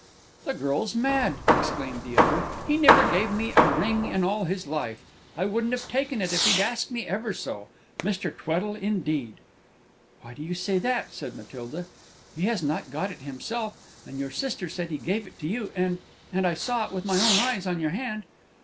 "The girl's mad!" exclaimed the other. "He never gave me a ring in all his life! I wouldn't have taken it, if he'd asked me ever so. Mr. Tweddle indeed!" "Why do you say that?" said Matilda. "He has not got it himself, and your sister said he gave it to you, and and I saw it with my own eyes on your hand!"